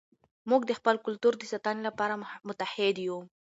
موږ د خپل کلتور د ساتنې لپاره متحد یو.